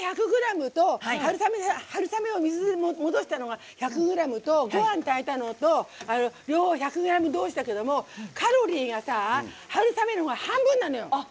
春雨を水で戻したのが１００ｇとごはん炊いたのと１００ｇどうしだけどカロリーが春雨のほうが半分なのよ。